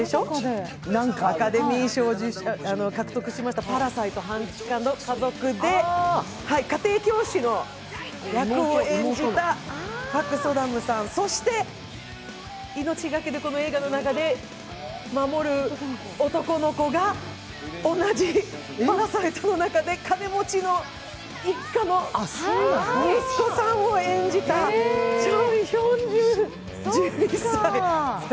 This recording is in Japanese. アカデミー賞を獲得しました「パラサイト半地下の家族」で家庭教師の役を演じたパク・ソダムさん、そして命懸けでこの映画の中で守る男の子が同じ「パラサイト」の中で金持ちの一家の息子さんを演じたチョン・ヒョンジュン１２歳。